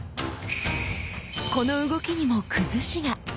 この動きにも「崩し」が！